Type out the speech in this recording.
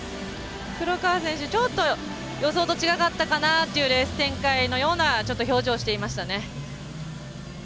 黒川選手、ちょっと予想と違うかなというレース展開のような表情をしていましたね。